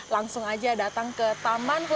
langsung aja datang ke taman